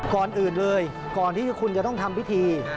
ก่อนอื่นเลยก่อนที่คุณจะต้องทำพิธี